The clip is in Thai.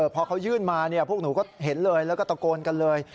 พอเขายื่นมาพวกหนูก็เห็นเลยแล้วก็ตะโกนกันเลย